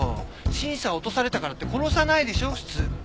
審査落とされたからって殺さないでしょ普通。